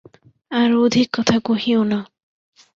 আর অধিক কথা কহিয়ো না।